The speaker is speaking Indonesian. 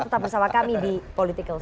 tetap bersama kami di politikalshow